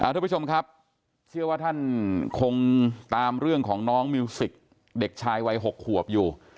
ทุกผู้ชมครับเชื่อว่าท่านคงตามเรื่องของน้องมิวสิกเด็กชายวัย๖ขวบอยู่